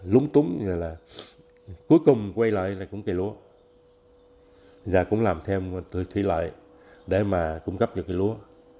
lúng túng như là cuối cùng quay lại là cũng cây lúa và cũng làm thêm thủy lợi để mà cung cấp được cây lúa